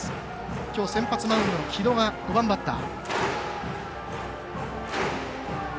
きょう先発マウンドの城戸が５番バッター。